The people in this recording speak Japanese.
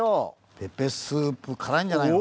ペペスープ辛いんじゃないの？